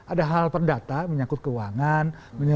ada hal hal perdata menyakut keuangan